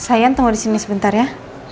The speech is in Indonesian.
saya tunggu di sini sebentar ya